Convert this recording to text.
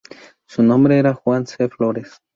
Su nombre era Juan C. Flores.